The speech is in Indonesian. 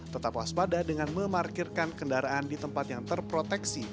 tetap waspada dengan memarkirkan kendaraan di tempat yang terproteksi